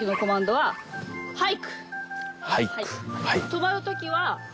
はい。